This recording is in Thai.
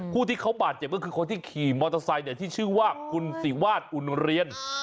ผู้ที่เขาบาดเจ็บก็คือคนที่ขี่มอเตอร์ไซค์ที่ชื่อว่าคุณศิวาสอุ่นเรียน